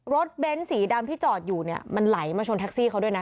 เบ้นสีดำที่จอดอยู่เนี่ยมันไหลมาชนแท็กซี่เขาด้วยนะ